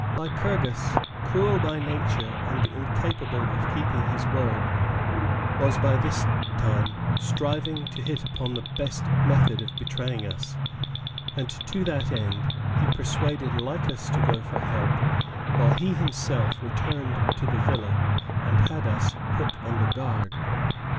Lycurgus, cruel by nature and incapable of keeping his word, was by this time striving to hit upon the best method of betraying us, and to that end, he persuaded Lycas to go for help, while he himself returned to the villa and had us put under guard.